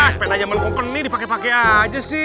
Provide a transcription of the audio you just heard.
sepedanya men company dipakai pakai aja sih